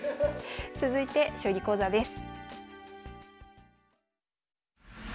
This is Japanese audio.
続いて将棋講座です。